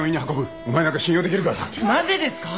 なぜですか？